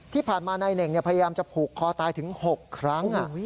ที่ผ่านมานายเน่งพยายามจะผูกคอตายถึง๖ครั้ง